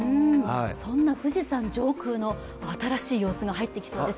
そんな富士山上空の新しい様子が入ってきそうです。